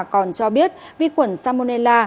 còn cho biết vi khuẩn salmonella